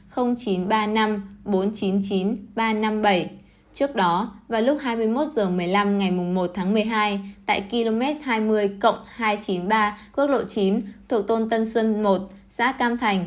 trước đó vào lúc hai mươi một h một mươi năm ngày một tháng một mươi hai tại km hai mươi hai trăm chín mươi ba quốc lộ chín thuộc tôn tân xuân một xã cam thành